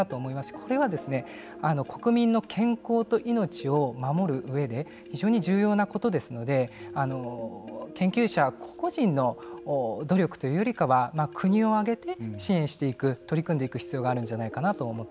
これは、国民の健康と命を守る上で非常に重要なことですので研究者個々人の努力というよりかは国を挙げて支援していく取り組んでいく必要があるんじゃないかな